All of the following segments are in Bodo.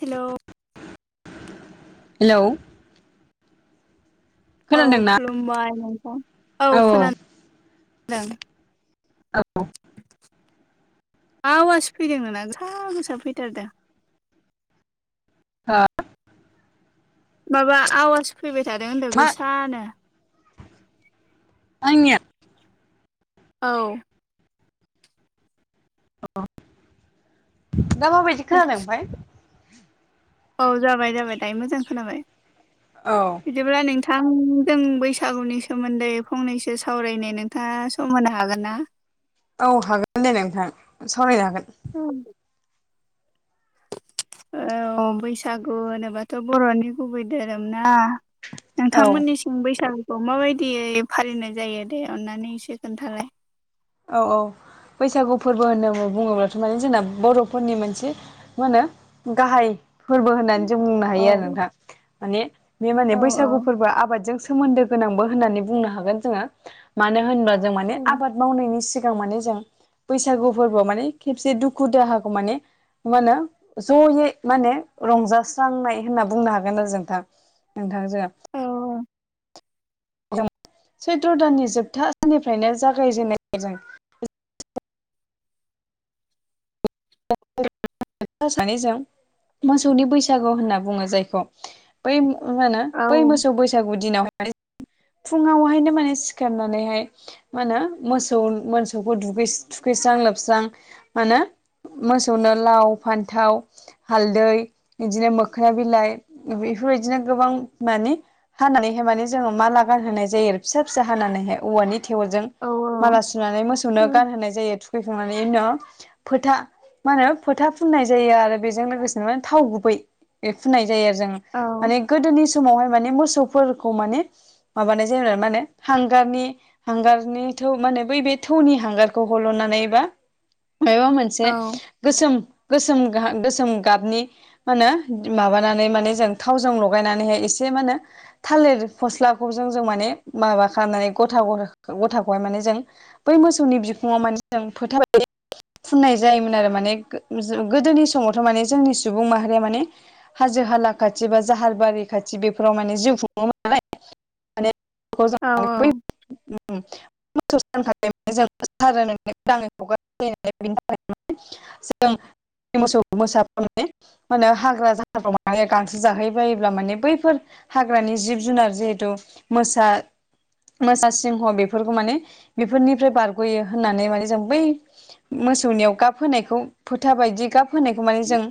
हेलौ हेलौ औ खोनादोंना खुलुमबाय नोंथां औ खोना दों औ मा आवास फैदों नोंना गोसा गोसा फैथारदो हो माबा आवाज फैबाय थादों होनदों मा गोसानो आंनिया औ अ दा माबायदि खोनादों ओमफ्राय औ जाबाय जाबाय दायो मोजां खोनाबाय औ बिदिब्ला नोंथां जों बैसागुनि सोमोन्दै फंनैसो सावरायनो नोंथाङा सम होनो हागोन ना औ हागोन दे नोंथां सावरायनो हागोन औ औ बैसागु होनोबाथ' बर'नि गुबै धोरोम ना औ नोंथांमोननि बैसागुखौ माबायदियै फालिनाय जायो दे अननानै एसे खोन्थालाय औ औ बैसागु फोरबो होननानै बुङोब्लाथ' माने जोंना बर'फोरनि मोनसे मा होनो गाहाय फोरबो होननानै जों बुंनो औ हायो आरो नोंथां माने बे माने औ बैसागु फोरबो आबादजों सोमोन्दो गोनांबो होननानै बुंनो हागोन जोङो मानो होनबा जों माने औ आबाद मावनायनि सिगां माने जों बैसागु फोरबोआव माने खेबसे दुखु दाहाखौ माने मा होनो जयै माने रंजास्रांनाय होनना बुंनो हागोन आरो जों नोंथां नोंथांजों औ सैथ्र' दाननि जोबथा साननिफ्रायनो जागायजेनो जों [unintelligible] सानैजों मोसौनि बैसागु होनना बुङो जायखौ बै मा होनो औ बै मोसौ बैसागु दिनावहाय फुङावहायनो माने सिखारनानैहाय मा होनो मोसौ मोसौखौ दुगै थुखैस्रां लोबस्रां मा होनो मोसौनो लाव फान्थाव हालदै बिदिनो मोखोना बिलाइ बेफोरबायदिनो गोबां माने हानानैहाय माने जोङो माला गानहोनाय जायो आरो फिसा फिसा हानानैहाय औवानि थेवलजों औ माला सुनानै औ मोसौनो गानहोनाय जायो थुखैखांनानै उनाव फोथा मा होनो फोथा फुननाय जायो आरो बेजों लोगोसेनो थाव गुबै फुननाय जायो आरो जों औ माने गोदोनि समावहाय माने मोसौफोरखौ माने माबानाय जेनेबा मा होनो हांगारनि हांगारनि थौ माने बै बे थौनि हांगारखौ हल'नानै बा मायबा औ मोनसे गोसोम गोसोम गोसोम गाबनि मा होनो माबानानै माने जों थावजों लगायनानैहाय एसे मा होनो थालिर फस्लाखौ जों जों माने माबा खालामनानै गथा गथाखौहाय माने जों बै मोसौनि बिखुङाव माने जों फोथा बादि फुननाय जायोमोन आरो माने गोदोनि समावथ' माने जोंनि सुबुं माहारिया माने हाजो हाला खाथि बा जाहार बारि खाथि बेफोराव माने जिउ खुङोमोन नालाय औ [unintelligible] [unintelligible] जों मोसौ मोसा [unintelligible] माहोनो हाग्रा जाहाफ्राव माने गांसो जाहै बायोब्ला माने बैफोर हाग्रानि जिब जुनार जिहेथु मोसा मोसा सिंह बेफोरखौ माने बेफोरनिफ्राय बारग'यो होननानै माने जों बै मोसौनियाव गाब होनायखौ फोथा बायदि गाब होनायखौ माने जों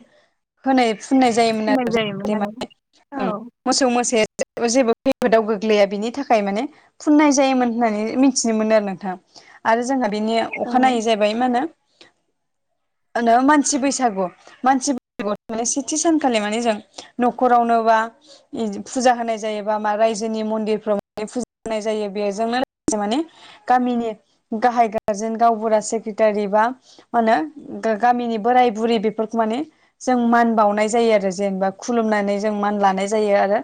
होनाय फुननाय जायोमोन होननाय आरो जे जायोमोन माने आरो मोसौ मोसाया जेबो खैफोदाव गोग्लैया बिनि थाखाय माने फुननाय जायोमोन होननानै मिथिनो मोनो आरो नोंथां आरो जोंहा बेनि औ अखानायै जाहैबाय मा होनो मानसि बैसागु मानसि बैसागुआव माने सेथि सानखालि माने जों न'खरावनोबा फुजा होनाय जायो बा मा रायजोनि मन्दिरफ्राव माने फुजा होनाय जायो बेजोंनो माने गामिनि गाहाय गारजेन गावबुरा सेक्रेटारि बा मा होनो गामिनि बोराय बुरै बेफोरखौ माने जों मान बावनाय जायो आरो जेनेबा खुलुमनानै जों मान लानाय जायो आरो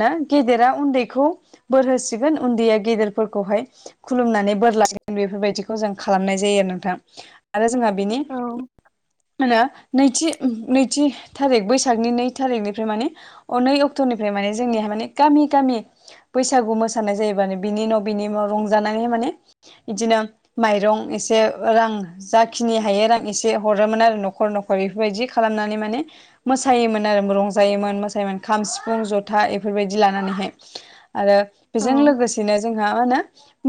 ना गेदेरा उन्दैखौ बोर होसिगोन उन्दैया गेदेरफोरखौहाय खुलुमनानै बोर लासिगोन बेफोरबायदिखौ जों खालामनाय जायो आरो नोंथां आरो जोंहा बिनि औ मा होनो नैथि नैथि थारिख बैसागनि नै थारिखनिफ्राय माने अ नै अक्ट'निफ्राय माने जोंनिया माने गामि गामि बैसागु मोसानाय जायो माने बिनि उनाव बिनि उनाव रंजानायै माने बिदिनो माइरं एसे रां जाखिनि हायो रां एसे हर हरोमोन आरो न'खर न'खर बेफोरबायदि खालामनानै माने मोसायोमोन आरो रंजायोमोन मोसायोमोन खाम सिफुं जथा बेफोरबायदि लानानैहाय आरो औ बेजों लोगोसेनो जोंहा मा होनो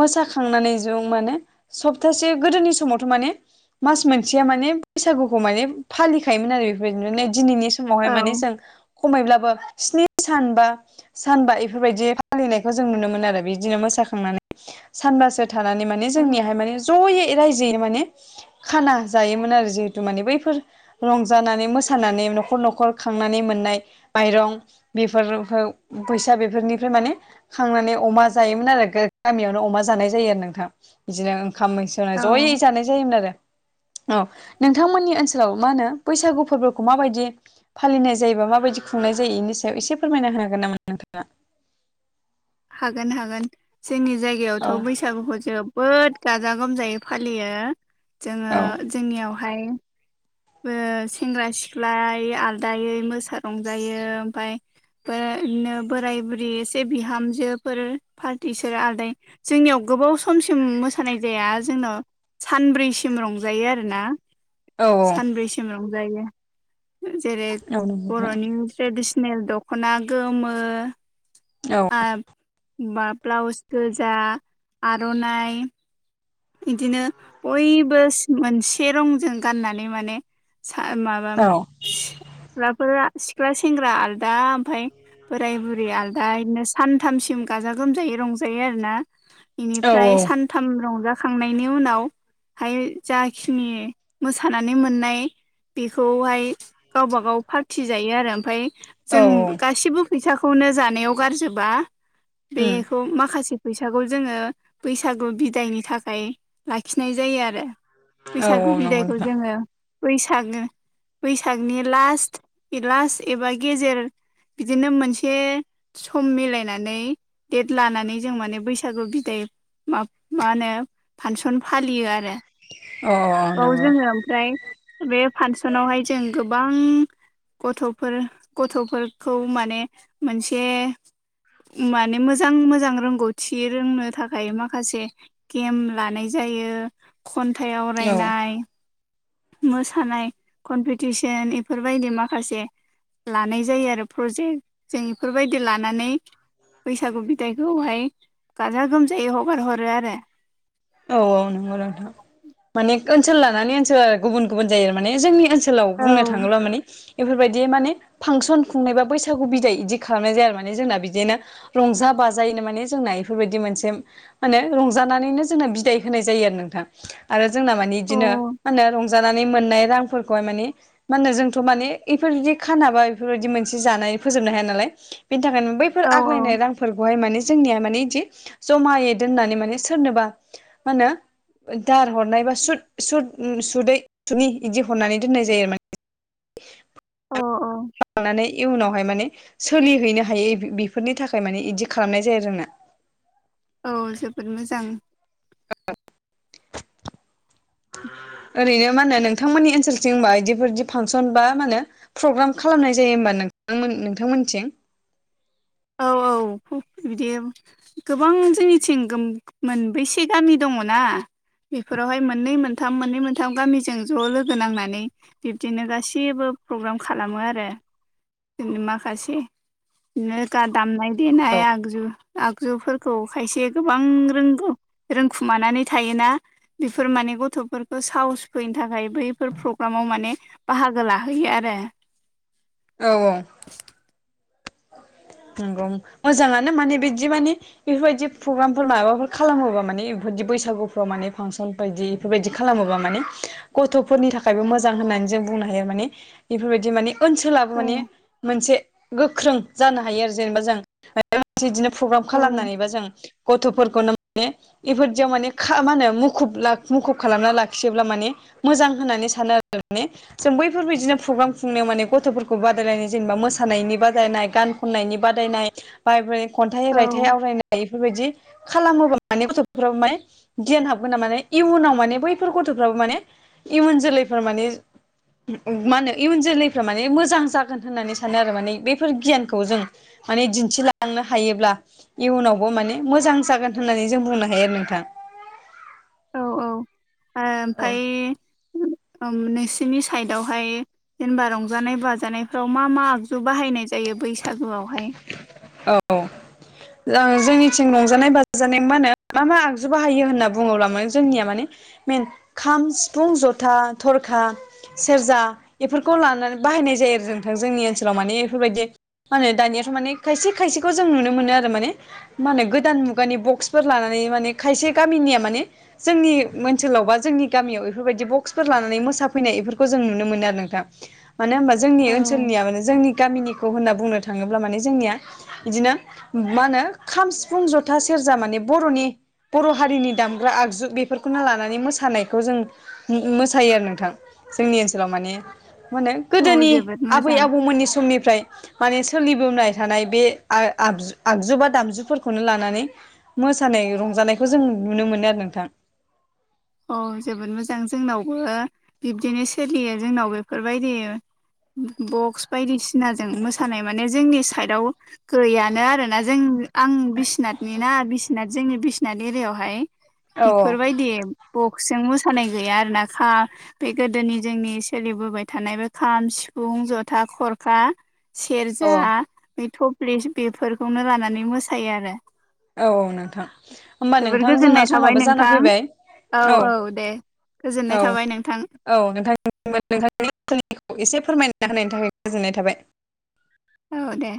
मोसाखांनानै जों माने सप्तासे गोदोनि समावथ' माने मास मोनसेया माने बैसागुखौ माने फालिखायोमोन आरो बेफोरबायदि नै दिनैनि समावहाय औ माने जों खमैब्लाबो स्नि सान बा सानबा इफोरबायदि फालिनायखौ जों नुनो मोनो आरो बिदिनो मोसाखांनानै सानबासो थांनानै माने औ जोंनियाहाय माने जयै रायजोयैनो माने खाना जायोमोन आरो जिहेतु माने बैफोर रंजानानै मोसानानै न'खर न'खर खांनानै मोननाय माइरं बेफोर फैसा बेफोरनिफ्राय माने खांनानै अमा जायोमोन आरो गामियावनो अमा जानाय जायो आरो नोंथां बिदिनो ओंखाम मैसं [unintelligible] जयै औ जानाय जायोमोन आरो औ नोंथांमोननि ओनसोलाव मा होनो बैसागु फोरबोखौ माबायदि फालिनाय जायोबा माबायदि खुंनाय जायो बेनि सायाव एसे फोरमायना होनो हागोन नामा नोंथाङा हागोन हागोन जोंनि जायगायावथ' औ बैसागुखौ जोब- जोबोद गाजा गोमजायै फालियो जोङो औ जोंनियावहाय ओ सेंग्रा सिख्ला आलदायै मोसा रंजायो ओमफ्राय बिदिनो बोराय बुरि एसे बिहामजोफोर पार्टिस आदै जोंनियाव गोबाव समसिम मोसानाय जाया जोंनाव सानब्रैसिम रंजायो आरोना औ सानब्रैसिम रंजायो जेरै नंगौ नोंथां। बर'नि ट्रेडिसन नेल दख'ना गोमो औ आरो ब्लाउस गोजा आर'नाइ बिदिनो बयबो मोनसे रंजों गाननानै माने सा माबा [unintelligible] माबा औ सिख्लाफोरा सिख्ला सेंग्रा आलदा ओमफ्राय बोराय बुरि आलदा बिदिनो सानथामसिम गाजा गोमजायै रंजायो आरो ना औ बेनिफ्राय सानथाम रंजाखांनायनि उनाव हाय जाखिनि मोसानानै मोननाय बेखौहाय गावबा गाव पार्टि जायो आरो ओमफ्राय औ औ जों गासिबो फैसाखौनो जानायाव गारजोबा उम बेखौ माखासे फैसाखौ जोङो बैसागु बिदायनि थाखाय लाखिनाय जायो आरो औ औ बैसागु नंगौ बिदायखौ नोंथां जोङो बैसागो बैसागनि लास्त लास्ट एबा गेजेर बिदिनो मोनसे सम मिलायनानै डेट लानानै जों माने बैसागु बिदाय मा मा होनो फांसन फालियो आरो अ बाव जोङो ओमफ्राय बे फांसनावहाय जों गोबां गथ'फोर गथ'फोरखौ माने मोनसे माने मोजां मोजां रोंगौथि रोंनो थाखाय माखासे गेम लानाय जायो खन्थाइ औ आवरायनाय मोसानाय कमपिटिसन बेफोरबायदि माखासे लानाय जायो आरो प्रजेक्ट जों इफोरबायदि लानानै बैसागु बिदाइखौहाय गाजा गोमजायै हगार हरो आरो औ-औ नंगौ नोंथां माने ओनसोल लानानै ओनसोल गुबुन गुबुन जायो माने जोंनि ओनस सोलाव बुंनो थाङोब्ला माने इफोरबायदि माने फांसन खुंनाय बा बैसागु बिदाय बिदि खालामनाय जाया आरो माने जोंना बिदिनो रंजा बाजायैनो माने जोंना बेफोरबायदि मोनसे मा होनो रंजानानैनो जोंना बिदाय होनाय जायो नोंथां आरो जोंना माने औ इदिनो मा होनो जानानै मोननाय रांफोरखौहाय माने मा होनो जोंथ' माने इफोरबायदि खाना बा इफोरबायदि मोनसे जानानै फोजोबनो हाया नालाय बिनि थाखायनो बैफोर औ आग्लायनाय रांफोरखौहाय माने जोंनिया माने बिदि जमायै दोननानै माने सोरनोबा मा होनो दार हरनाय बा सुद सुद सुदै सुदनि इदि हरनानै दोननाय जायो आरोना अ-अ लानानै इयुनावहाय माने सोलिहैनो हायो बेफोरनि थाखाय माने बिदि खालामनाय जायो आरो जोंना औ जोबोद मोजां [inaudible] ओरैनो मा होनो नोंथांमोननि ओनसोलथिंबा बिदिफोर बिदि फांसन बा मा होनो प्रग्राम खालामनाय जायो होमबा नोंथां नोंथांमोननिथिं औ-औ बिदि गोबां जोंनिथिं मोनबैसे गामि दङना बेफोरावहाय मोननै मोनथाम मोननै मोनथाम गामिजों ज' लोगो नांनानै बिब्दिनो गासैबो प्रग्राम खालामो आरो माखासे बिनो गान दामनाय देनाय आगजु आगजुफोरखौ खायसे गोबां रोंगौ रोंखुमानानै थायोना बेफोर माने गथ'फोरखौ साहस फैनो थाखाय बैफोर प्रग्रामाव माने बाहागो लाहोयो आरो औ-औ नंगौ मोजाङानो माने बिदि माने बेफोरबायदि प्रग्रामफोर माबाफोर खालामोबा माने बेफोरदि बैसागुफ्राव माने फांसन बायदि बेफोरबायदि खालामोबा माने गथ'फोरनि थाखायबो मोजां होननानै जों बुंनो हायो माने इफोरबायदि माने ओनसोलाबो औ माने मोनसे गोख्रों जानो हायो आरो जेनेबा जों मायबा मोनसे बिदिनो प्रग्राम औ खालामनानैबा जों गथ'फोरखौनो माने बेफोरदियाव माने मा होनो मुखुब मुखुब खालामना लाखियोब्ला माने मोजां होननानै सानो आरो ने जों बैफोरबायदिनो प्रग्राम खुंनायाव माने गथ'फोरखौ बादायलायनाय जेनेबा मोसानायनि बादायनाय गान खनायनि बादायनाय बा खन्थाइ औ रायथाइ आवरायनाय बेफोरबायदि खालामोबा माने गथ'फोर माने गियान हाबगोन ना माने इयुनाव माने बैफोर गथ'फ्राबो माने इयुन जोलैफोर माने मा होनो इयुन जोलैफ्रा माने मोजां जागोन होननानै सानो आरो माने बेफोर गियानखौ खौ जों माने दिन्थिलांनो हायोब्ला इयुनावबो माने मोजां जागोन होननानै जों बुंनो हायो आरो नोंथां औ-औ आ ओमफाय नोंसोरनि ओम साइदावहाय जेनेबा रंजानाय बाजानायफ्राव मा मा आगजु बाहायनाय जायो बैसागुआवहाय औ जोंनिथिं रंजानाय बाजानाय मा होनो मा मा आगजु बाहायो होनना बुङोब्ला माने जोंनिया माने मेन खाम सिफुं जथा थरखा सेरजा इफोरखौ लानानै बाहायनाय जायो आरो नोंथां जोंनि ओनसोलाव माने इफोरबायदि मा होनो दानियाथ' माने खायसे खायसेखौ जों नुनो मोनो आरो माने मा होनो गोदान मुगानि बक्सफोर लानानै माने खायसे गामिनिया माने जोंनि ओनसोलाव बा जोंनि गामियाव बेफोरबायदि बक्सफोर लानानै मोसाफैनाय बेफोरखौ जों नुनो मोनो आरो नोंथा मानो होनबा जोंनि औ ओनसोलनिया माने जोंनि गामिनिखौ होनना बुंनो थाङोब्ला माने जोंनिया बिदिनो मा होनो खाम सिफुं जथा सेरजा माने बर'नि बर' हारिनि दामग्रा आगजु बेफोरखौनो लानानै मोसानायखौ जों मोसायो आरो नोंथां जोंनि ओनसोलाव माने मा होनो गोदोनि जोबोद आबै मोजां आबौमोननि समनिफ्राय माने सोलिबोनाय थानाय बे आगजु बा दामजुफोरखौनो लानानै मोसानाय रंजानायखौ जों नुनो मोनो आरो नोंथां औ जोबोद मोजां जोंनावबो बिब्दिनो सोलियो जोंनाव बेफोरबायदि बक्स बायदिसिनाजों मोसानाय माने जोंनि साइडाव गैयानो आरो ना जों आं बिसनाथनि ना बिसनाथ जोंनि बिसनाथ एरियावहाय औ इफोरबायदि बक्सिजों मोसानाय गैया आरोना खा बे गोदोनि जोंनि सोलिबोबाय थानाय बे खाम सिफुं जथा खरखा सेरजा औ बै थफ्लि बेफोरखौनो लानानै मोसायो आरो औ औ नोंथां होमबा जोबोर नोंथां जोंना गोजोननाय थाबाय समाबो जाना नोंथां फैबाय औ औ दे औ गोजोननाय थाबाय नोंथां औ नोंथां नोंथांनि [unintelligible] खौ एसे फोरमायना होनायनि थाखाय गोजोननाय थाबाय औ दे